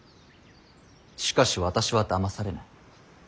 しかし私はだまされない。